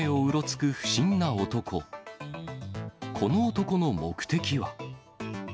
この男の目的は。